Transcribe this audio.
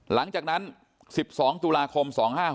หลังจากนั้น๑๒ตุลาคม๒๕๖๖